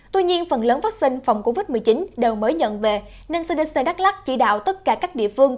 tuy nhiên phần lớn vaccine phòng covid một mươi chín đều mới nhận về nên cdc đắk lắc chỉ đạo tất cả các địa phương